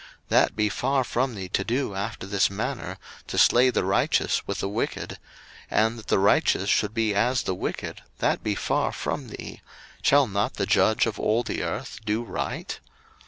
01:018:025 That be far from thee to do after this manner, to slay the righteous with the wicked: and that the righteous should be as the wicked, that be far from thee: Shall not the Judge of all the earth do right?